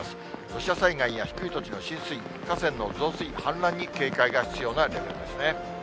土砂災害や低い土地の浸水、河川の増水、氾濫に警戒が必要なレベルですね。